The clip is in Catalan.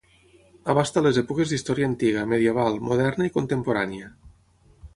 Abasta les èpoques d'Història Antiga, Medieval, Moderna i Contemporània.